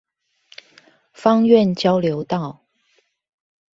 芳苑交流道